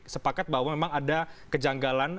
sepakat bahwa memang ada kejanggalan